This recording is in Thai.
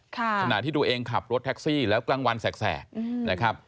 ขณะที่ตัวเองขับรถแท็กซี่แล้วกลางวันแสกนะครับ